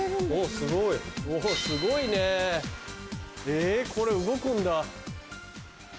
すごい。おすごいねえこれ動くんだ。